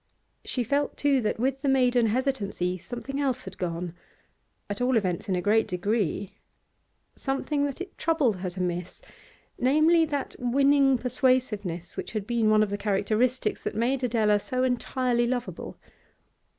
She felt, too, that with the maiden hesitancy something else had gone, at all events in a great degree; something that it troubled her to miss; namely, that winning persuasiveness which had been one of the characteristics that made Adela so entirely lovable.